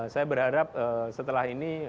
saya harap setelah ini